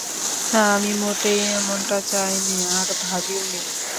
না, আমি মোটেই এমনটা চাইনি আর ভাবিওনি।